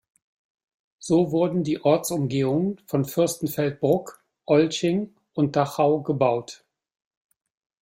So wurden die Ortsumgehungen von Fürstenfeldbruck, Olching und Dachau gebaut.